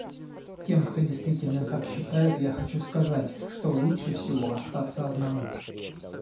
Тем, кто действительно так считает, я хочу сказать, что лучше всего остаться одному.